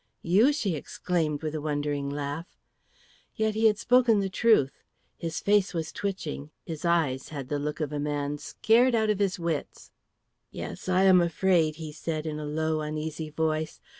"You!" she exclaimed with a wondering laugh. Yet he had spoken the truth. His face was twitching; his eyes had the look of a man scared out of his wits. "Yes, I am afraid," he said in a low, uneasy voice.